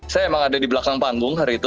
saya emang ada di belakang panggung hari itu